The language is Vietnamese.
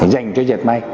dành cho dệt may